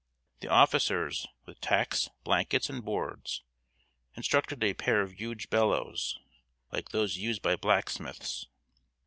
The officers, with tacks, blankets, and boards, constructed a pair of huge bellows, like those used by blacksmiths.